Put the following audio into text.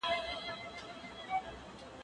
کېدای سي سپينکۍ نم وي